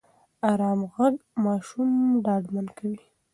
ارام غږ ماشوم ډاډمن کوي.